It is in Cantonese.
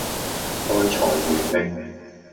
愛財如命